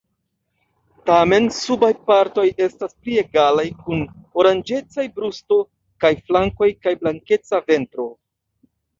Tamen subaj partoj estas pli egalaj kun oranĝecaj brusto kaj flankoj kaj blankeca ventro.